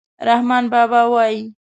رحمان بابا وایي: